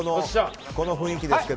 この雰囲気ですが。